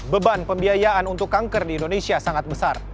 beban pembiayaan untuk kanker di indonesia sangat besar